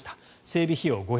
整備費用